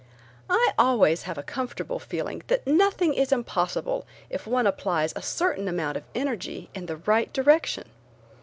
I always have a comfortable feeling that nothing is impossible if one applies a certain amount of energy in the right direction.